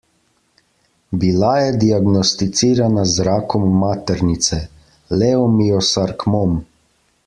Bila je diagnosticirana z rakom maternice, leomiosarkmom.